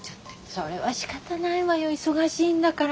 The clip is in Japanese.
それはしかたないわよ忙しいんだから。